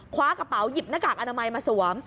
คว้ากระเป๋าหยิบหน้ากากอนามัยมาสวม